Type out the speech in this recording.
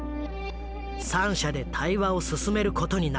三者で対話を進めることになった。